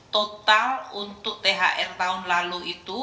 total untuk thr tahun lalu itu